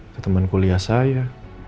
atau teman kuliah saya